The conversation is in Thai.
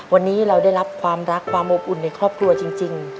วันนี้เราได้รับความรักความอบอุ่นในครอบครัวจริง